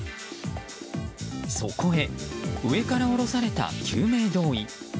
そこへ上から降ろされた救命胴衣。